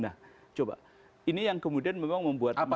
nah coba ini yang kemudian memang membuat masyarakat